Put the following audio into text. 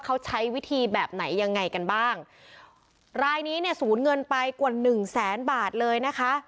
เขาใช้วิธีแบบไหนยังไงกันบ้างรายนี้เนี่ยสูญเงินไปกว่าหนึ่งแสนบาทเลยนะคะ